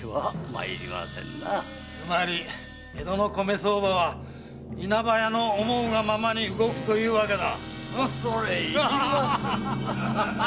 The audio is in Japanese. つまり江戸の米相場は稲葉屋の思うがままに動くというわけだ。